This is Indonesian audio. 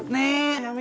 jangan lupa bu